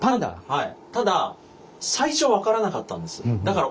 はい。